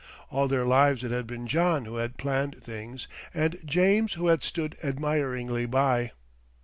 All their lives it had been John who had planned things, and James who had stood admiringly by.